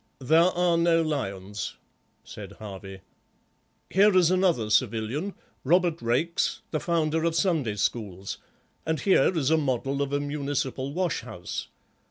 "There are no lions," said Harvey. "Here is another civilian, Robert Raikes, the founder of Sunday schools, and here is a model of a municipal wash house.